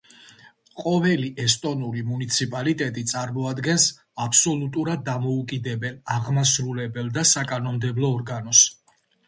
ყოველი ესტონური მუნიციპალიტეტი წარმოადგენს აბსოლუტურად დამოუკიდებელ აღმასრულებელ და საკანონმდებლო ორგანოს.